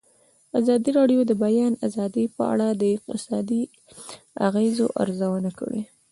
ازادي راډیو د د بیان آزادي په اړه د اقتصادي اغېزو ارزونه کړې.